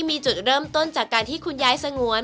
มีจุดเริ่มต้นจากการที่คุณยายสงวน